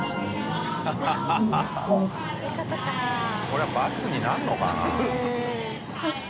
これは罰になるのかな？